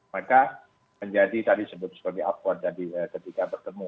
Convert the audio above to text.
maka menjadi tadi sebut sebagai upvote ketika bertemu